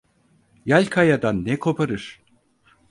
Yel kayadan ne koparır.